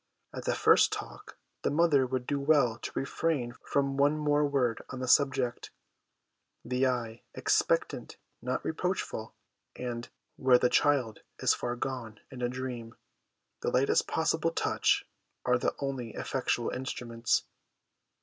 After that first talk, the mother would do well to refrain from one more word on the subject; the eye (expectant, not reproachful), and, where the child is far gone in a dream, the lightest possible touch, are the only effectual instruments.